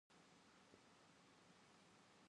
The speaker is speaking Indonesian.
Kembalilah sekarang.